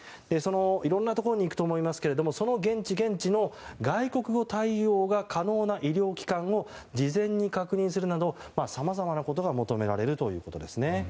いろんなところに行くと思いますがその現地現地の外国語に対応可能な医療機関を事前に確認するなどさまざまなことが求められるということですね。